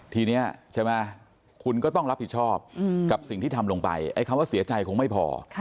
ทีนี้ใช่ไหมคุณก็ต้องรับผิดชอบกับสิ่งที่ทำลงไปไอ้คำว่าเสียใจคงไม่พอ